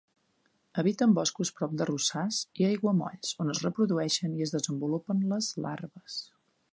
Habita en boscos prop d'arrossars i aiguamolls, on es reprodueixen i es desenvolupen les larves.